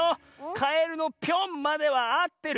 カエルの「ぴょん」まではあってる。